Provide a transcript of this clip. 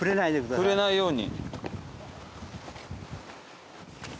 触れないように。